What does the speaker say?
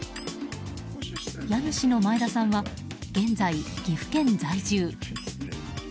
家主の前田さんは現在、岐阜県在住。